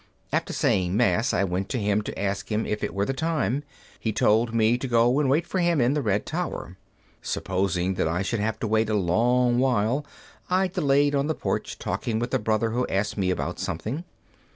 After saying Mass I went to him to ask him if it were the time. He told me to go and wait for him in the red tower. Supposing that I should have to wait a long while, I delayed on the porch, talking with a brother who asked me about something.